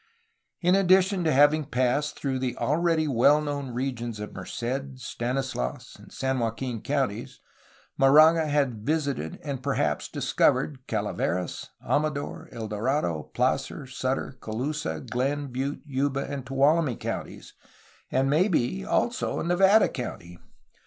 In addition to having passed through the already well known regions of Merced, Stanislaus, and San Joaquin counties, Moraga had visited and perhaps discovered Calaveras, Amador, El Dorado, Placer, Sutter, Colusa, Glenn, Butte, Yuba, and Tuolumne counties, and may be also Nevada County.